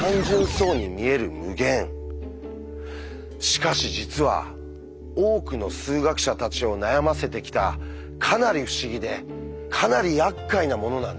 しかし実は多くの数学者たちを悩ませてきたかなり不思議でかなりやっかいなものなんです。